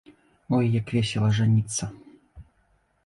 Ой, як весела жаніцца.